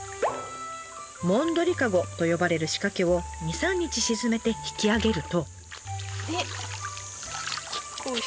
「もんどり籠」と呼ばれる仕掛けを２３日沈めて引き上げると。